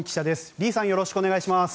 リさん、よろしくお願いします。